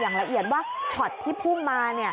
อย่างละเอียดว่าช็อตที่พุ่งมา